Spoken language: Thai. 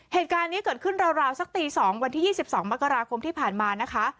เหตุการณ์นี้เกิดขึ้นราวสักตี๒วันที่๒๒มกราคมที่ผ่านมานะคะ